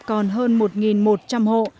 còn hơn một một trăm linh hộ